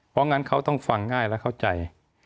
เพราะงั้นเขาต้องฟังง่ายและเข้าใจ